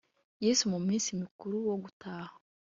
Yesu mu munsi mukuru wo gutaha